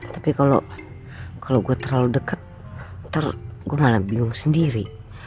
tapi kalau gue terlalu dekat ntar gue malah bingung sendiri